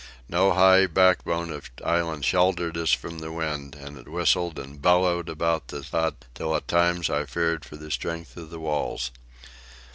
No high backbone of island sheltered us from the wind, and it whistled and bellowed about the hut till at times I feared for the strength of the walls.